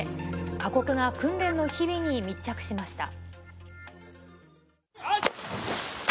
過酷な訓練の日々に密着しました。